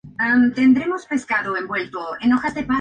Hay palabras relacionadas en los lenguajes arameo y hebreo.